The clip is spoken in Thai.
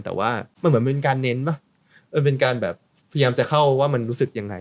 แต่ว่ามันเหมือนเป็นการเน้นป่ะมันเป็นการแบบพยายามจะเข้าว่ามันรู้สึกยังไง